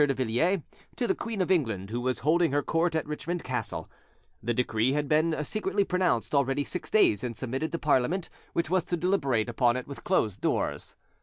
de Villiers, to the Queen of England, who was holding her court at Richmond Castle: the decree had been secretly pronounced already six days, and submitted to Parliament, which was to deliberate upon it with closed doors.